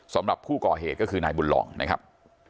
สำหรับผู้ก่อเหตุก็คือนายบุญลองนะครับ